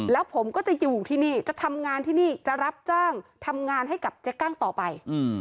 แล้วผมก็จะอยู่ที่นี่จะทำงานที่นี่จะรับจ้างทำงานให้กับเจ๊กั้งต่อไป